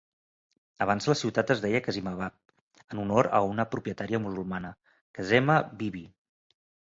Abans la ciutat es deia Qasimabad, en honor a una propietària musulmana, Qaseema Bibi.